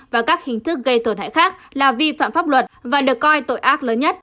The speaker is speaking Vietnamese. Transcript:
và các hình thức gây tổn hại khác là vi phạm pháp luật và được coi tội ác lớn nhất